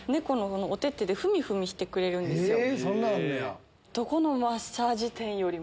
お手手でふみふみしてくれるんですよ。